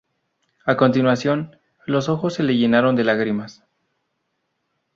A continuación, los ojos se le llenaron de lágrimas.